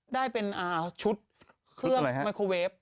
ได้เป็นชุดเครื่องไมโครเวฟ